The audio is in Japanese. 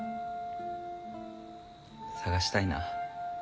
探したいな。